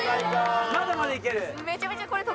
まだまだいける？